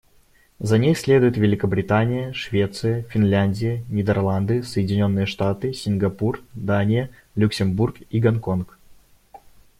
За ней следуют Великобритания, Швеция, Финляндия, Нидерланды, Соединённые Штаты, Сингапур, Дания, Люксембург и Гонконг.